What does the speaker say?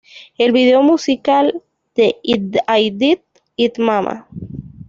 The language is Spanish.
El video musical de "I Did It, Mama!